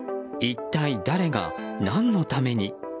一体、誰が何のために。